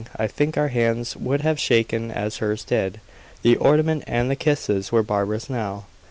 I think our hands would have shaken as hers did. The ornament and the kisses were Barbara's now.